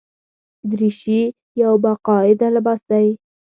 دریشي یو باقاعده لباس دی.